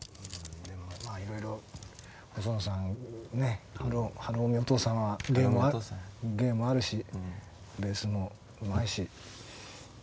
でもまあいろいろ細野さんね晴臣お父さんは芸もあるしベースもうまいし何か歌もうまいしいいな。